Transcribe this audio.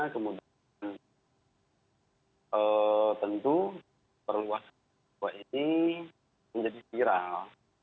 kemudian tentu perluas kesebuahan ini menjadi viral